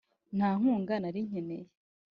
nta nkunga nari nkeneye,